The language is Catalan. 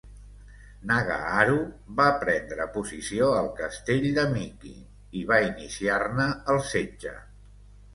Nagaharu va prendre posició al castell de Miki, i va inciar-ne el setge.